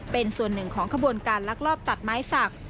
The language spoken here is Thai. เป็นส่วนหนึ่งของขบวนการลักลอบตัดไม้สัก